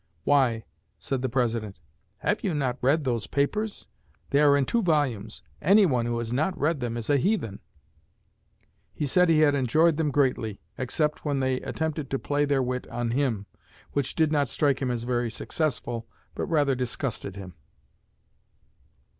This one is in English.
'Why,' said the President, 'have you not read those papers? They are in two volumes; anyone who has not read them is a heathen.' He said he had enjoyed them greatly except when they attempted to play their wit on him, which did not strike him as very successful, but rather disgusted him.